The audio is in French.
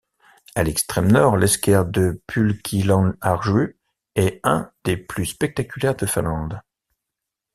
A l'extrême nord, l'esker de Pulkkilanharju est un des plus spectaculaires de Finlande.